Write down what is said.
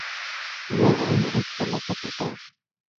Tunaywanmi salata kutaa.